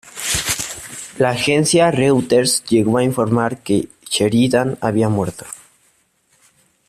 La agencia Reuters llegó a informar de que Sheridan había muerto..